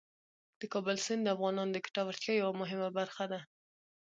د کابل سیند د افغانانو د ګټورتیا یوه مهمه برخه ده.